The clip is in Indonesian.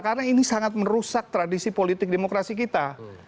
karena ini sangat merusak tradisi politik demokrasi kita